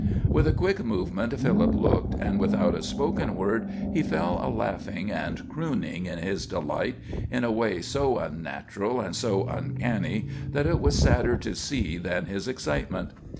With a quick movement Philip looked, and without a spoken word he fell a laughing and crooning in his delight, in a way so unnatural and so uncanny that it was sadder to see than his excitement.